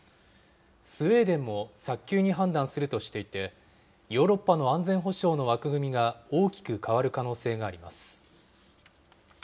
スウェーデンも早急に判断するとしていて、ヨーロッパの安全保障の枠組みが、大きく変わる可能性があります。